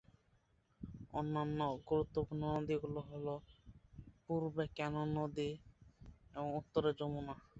অন্যান্য গুরুত্বপূর্ণ নদীগুলি হল পূর্বে কেন নদী এবং উত্তরে যমুনা।